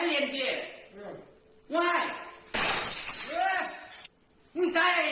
มีแบบตัวตรงของฉัน